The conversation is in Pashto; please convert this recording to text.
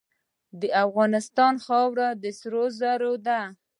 د افغانستان خاوره د سرو زرو ده.